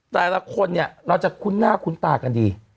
แต่ละคนเนี่ยเราจะคุ้นหน้าคุ้นตากันดี